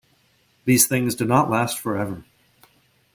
These things do not last forever.